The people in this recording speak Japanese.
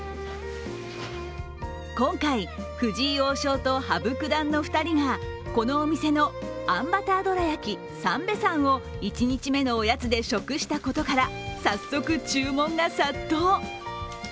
今回、藤井王将と羽生九段の２人がこのお店の、あんバターどら焼きさんべ山を１日目のおやつで食したことから、早速、注文が殺到。